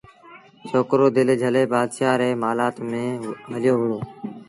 ڇوڪرو دل جھلي بآدشآ ريٚ مآلآت ميݩ هليو وهُڙو